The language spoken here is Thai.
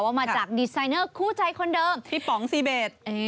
ว่ามาจากดีไซเนอร์คู่ใจคนเดิมพี่ป๋องซีเบส